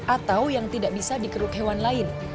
atau yang tidak bisa dikeruk hewan lain